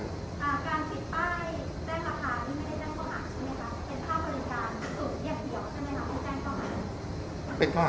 เป็นค่าเดียวกันครับ